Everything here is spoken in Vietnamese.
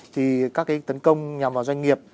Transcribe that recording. thì các cái tấn công nhằm vào doanh nghiệp